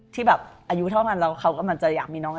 ที่อายุเท่านั้นแล้วเค้ากลับมาจะอยากมีน้อง